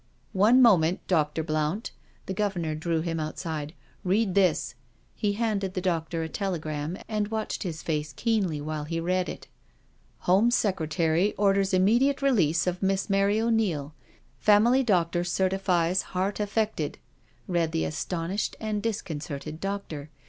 " One moment. Dr. Blount." The Governor drew him outside. " Read this." He handed the doctor a telegram^ and watched his face keenly while he read it. " Home Secretary orders immediate release of Miss Mary O'Neil. Family doctor certifies heart affected,'* read the astonished and disconcerted doctor.